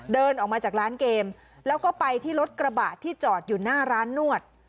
เดินออกมาจากร้านเกมแล้วก็ไปที่รถกระบะที่จอดอยู่หน้าร้านนวด